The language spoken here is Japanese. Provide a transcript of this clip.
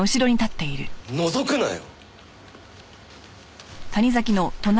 のぞくなよ！